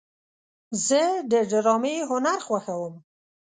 زه د ډرامې هنر خوښوم.